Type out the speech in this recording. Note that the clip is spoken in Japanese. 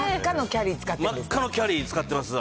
真っ赤のキャリー使ってるんですか。